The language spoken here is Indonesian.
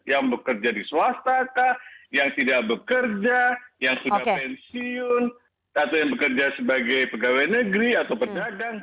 yang bekerja di swastakah yang tidak bekerja yang sudah pensiun atau yang bekerja sebagai pegawai negeri atau pedagang